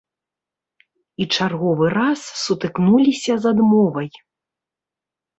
І чарговы раз сутыкнуліся з адмовай.